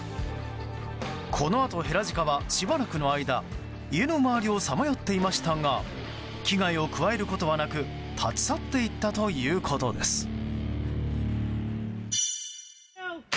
このあと、ヘラジカはしばらくの間家の周りをさまよっていましたが危害を加えることはなく立ち去って行ったということです。